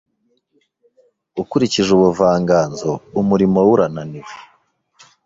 Ukurikije ubuvanganzo, umurimo we urananiwe.